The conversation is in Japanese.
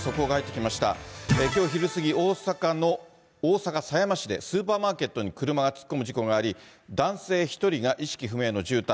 きょう昼過ぎ、大阪の大阪狭山市で、スーパーマーケットに車が突っ込む事故があり、男性１人が意識不明の重体。